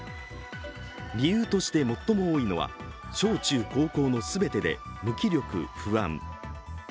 理由として最も多いのは小・中・高校の全てで無気力・不安。